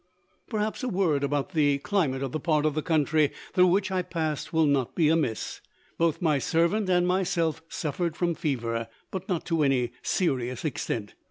Perhaps a word about the climate of the part of the country through which I passed will not be amiss. Both my servant and myself suffered from fever, but not to any serious extent.